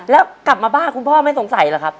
แล้วกลับมาบ้านคุณพ่อไม่สงสัยเหรอครับ